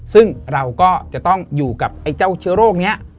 ซึ่งเราก็จะต้องอยู่กับไอ้เจ้าเชื้อโรคนี้